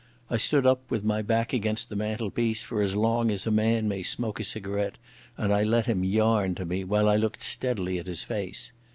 I stood up with my back against the mantelpiece for as long as a man may smoke a cigarette, and I let him yarn to me, while I looked steadily at his face.